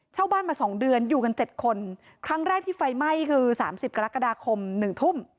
เช่าบ้านมาสองเดือนอยู่กันเจ็ดคนครั้งแรกที่ไฟไหม้คือสามสิบกรกฎาคมหนึ่งทุ่ม